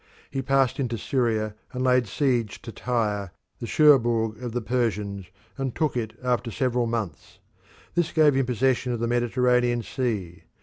He passed into Syria and laid siege to Tyre, the Cherbourg of the Persians, and took it after several months; this gave him possession of the Mediterranean Sea.